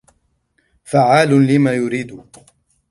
فَعَّالٌ لِمَا يُرِيدُ